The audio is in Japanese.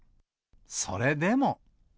それでも。